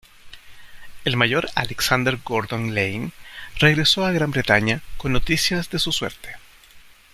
El Mayor Alexander Gordon Laing regresó a Gran Bretaña con noticias de su suerte.